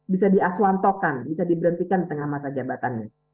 bisa di aswantokan bisa diberhentikan di tengah masa jabatannya